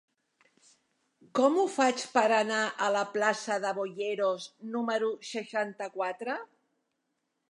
Com ho faig per anar a la plaça de Boyeros número seixanta-quatre?